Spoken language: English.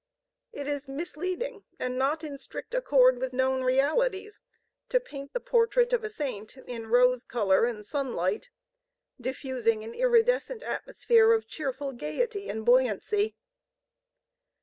It is misleading and not in strict accord with known realities, to paint the portrait of a Saint in rose color and sunlight, diffusing an iridescent atmosphere of cheerful gayety and buoyancy.